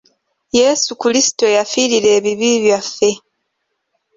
Yesu Kulisito yafirira ebibi byaffe.